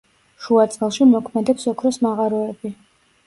შუაწელში მოქმედებს ოქროს მაღაროები.